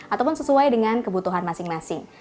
ataupun sesuai dengan kebutuhan masing masing